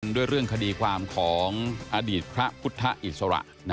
ด้วยเรื่องคดีความของอดีตพระพุทธอิสระ